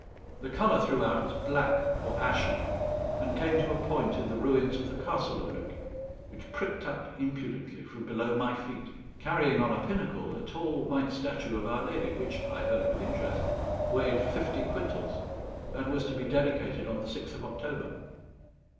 The colour throughout was black or ashen, and came to a point in the ruins of the castle of Luc, which pricked up impudently from below my feet, carrying on a pinnacle a tall white statue of Our Lady, which, I heard with interest, weighed fifty quintals, and was to be dedicated on the 6th of October.